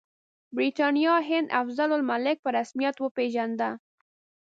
برټانوي هند افضل الملک په رسمیت وپېژانده.